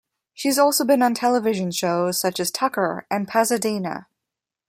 She has also been on television shows such as "Tucker" and "Pasadena".